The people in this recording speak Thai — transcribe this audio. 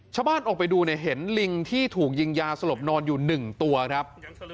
ชาวบ้านออกไปดูเนี่ยเห็นลิงที่ถูกยิงยาสลบนอนอยู่๑ตัวครับ